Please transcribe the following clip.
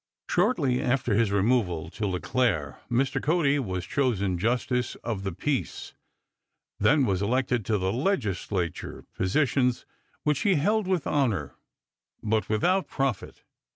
Shortly after his removal to La Clair Mr. Cody was chosen justice of the peace, then was elected to the Legislature, positions which he held with honor but without profit.